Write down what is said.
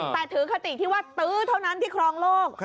แต่ถือคติที่ว่าตื้อเท่านั้นที่ครองโลก